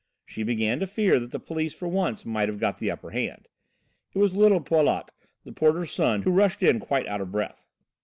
She began to fear that the police for once might have got the upper hand. It was little Paulot, the porter's son, who rushed in quite out of breath.